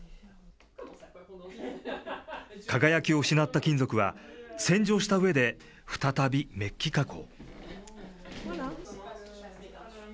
輝きを失った金属は、洗浄したうえで再びメッキ加工。